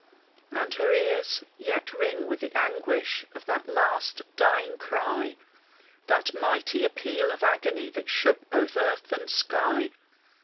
And her ears yet ring with the anguish Of that last dying cry, That mighty appeal of agony That shook both earth and sky.